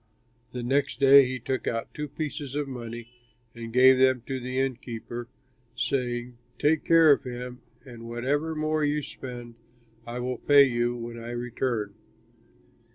The next day he took out two pieces of money and gave them to the inn keeper, saying, 'Take care of him, and whatever more you spend I will pay you when I return.'